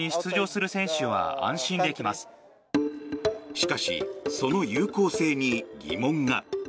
しかし、その有効性に疑問が。